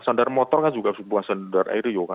standar motor kan juga semua standar euro